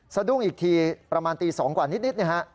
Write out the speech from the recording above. สะดุ้งอีกทีประมาณตี๒กว่านิด